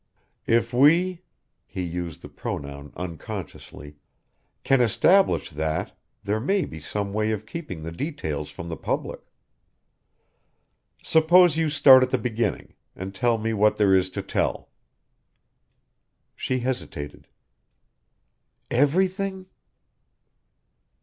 "If we " he used the pronoun unconsciously "can establish that, there may be some way of keeping the details from the public. Suppose you start at the beginning and tell me what there is to tell?" She hesitated. "Everything?"